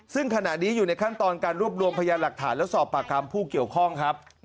ซึ่งขณะนี้อยู่ในขั้นตอนการรวบรวมพยานหลักฐานและสอบปากคำผู้เกี่ยวข้องครับ